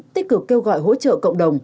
tích cực kêu gọi hỗ trợ cộng đồng